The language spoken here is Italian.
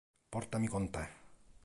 Portami con te